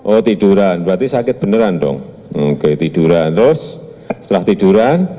oh tiduran berarti sakit beneran dong oke tiduran terus setelah tiduran